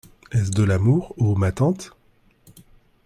est-ce de l'amour, ô ma tante ?